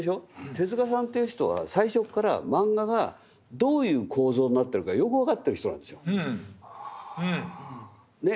手さんという人は最初からマンガがどういう構造になってるかよく分かってる人なんですよ。ね。